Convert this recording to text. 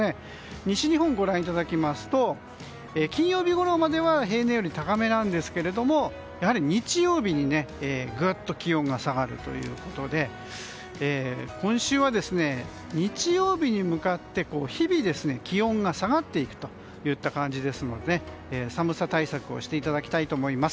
西日本をご覧いただきますと金曜日ごろまでは平年より高めなんですが日曜日にグッと気温が下がるということで今週は日曜日に向かって日々、気温が下がっていくといった感じですので寒さ対策をしていただきたいと思います。